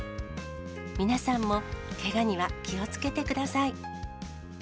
皆さんも、けがには気をつけてください。